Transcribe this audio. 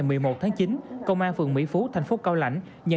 bằng chính giọt máu quý giá của mình